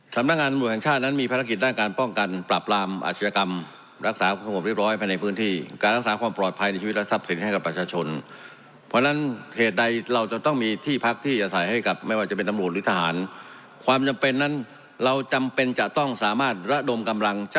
สำนักงานตำรวจแห่งชาตินั้นมีภารกิจด้านการป้องกันปรับรามอาชญากรรมรักษาความสงบเรียบร้อยภายในพื้นที่การรักษาความปลอดภัยในชีวิตและทรัพย์สินให้กับประชาชนเพราะฉะนั้นเหตุใดเราจะต้องมีที่พักที่จะใส่ให้กับไม่ว่าจะเป็นตำรวจหรือทหารความจำเป็นนั้นเราจำเป็นจะต้องสามารถระดมกำลังช